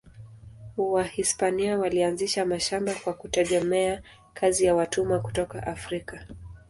Wahispania walianzisha mashamba kwa kutegemea kazi ya watumwa kutoka Afrika.